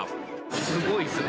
すごいですね。